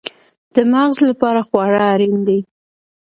د مغز لپاره خواړه اړین دي